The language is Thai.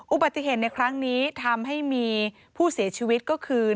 อุบัติเหตุในครั้งนี้ทำให้มีผู้เสียชีวิตก็คือ